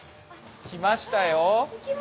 来ましたよ。